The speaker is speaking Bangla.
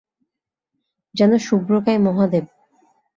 যেন শুভ্রকায় মহাদেব।